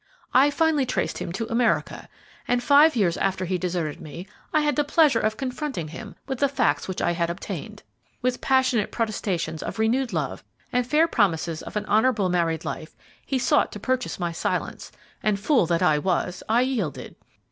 I finally traced him to America, and five years after he deserted me I had the pleasure of confronting him with the facts which I had obtained. With passionate protestations of renewed love and fair promises of an honorable married life, he sought to purchase my silence, and, fool that I was! I yielded.